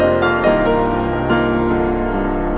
aku gak dengerin kata kata kamu mas